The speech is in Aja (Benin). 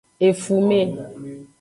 Efume.